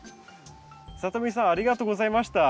さとみさんありがとうございました。